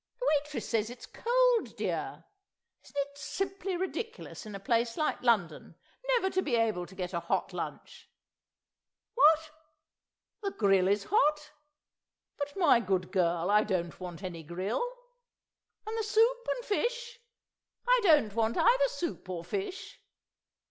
The waitress says it's cold, dear! Isn't it simply ridiculous in a place like London never to be able to get a hot lunch! ... What? The grill is hot? But, my good girl, I don't want any grill. ... And the soup and fish? I don't want either soup or fish.